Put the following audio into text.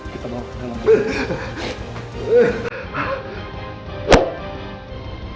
kita bawa ke dalam